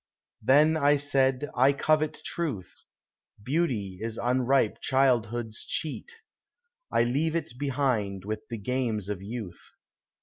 Then I said, " I covet truth; Beauty is unripe childhood's cheat; I leave it behind with the games of youth."